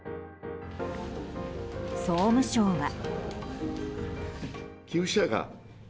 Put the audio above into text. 総務省は。